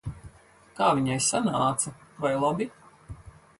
Kā viņai sanāca? Vai labi?